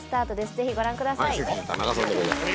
ぜひご覧くださいませ。